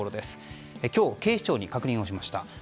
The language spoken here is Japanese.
今日、警視庁に確認をしました。